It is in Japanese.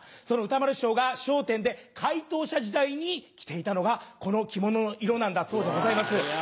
その歌丸師匠が、笑点で解答者時代に着ていたのが、この着物の色なんだそうでございます。